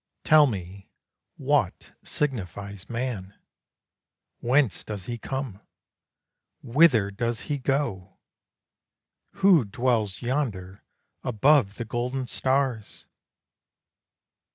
Tell me, what signifies man? Whence does he come? whither does he go? Who dwells yonder above the golden stars?"